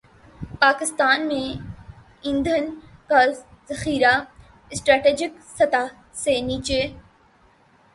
پاکستان میں ایندھن کا ذخیرہ اسٹریٹجک سطح سے نیچے